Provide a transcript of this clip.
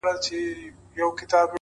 ټول بکواسیات دي،